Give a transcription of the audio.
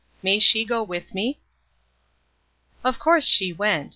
"MAY SHE GO WITH ME?" Of course she went.